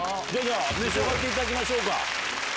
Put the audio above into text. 召し上がっていただきましょうか。